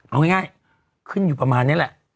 เอาง่ายขึ้นอยู่ประมาณนี้แหละ